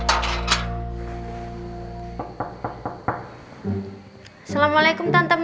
assalamualaikum tante maya